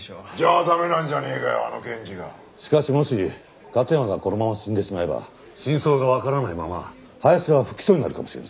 しかしもし勝山がこのまま死んでしまえば真相がわからないまま林田は不起訴になるかもしれんぞ。